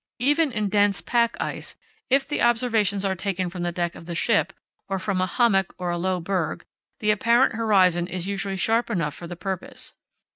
Even in dense pack ice, if the observations are taken from the deck of the ship or from a hummock or a low berg, the apparent horizon is usually sharp enough for the purpose.